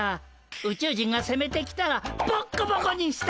宇宙人がせめてきたらボッコボコにしたるで。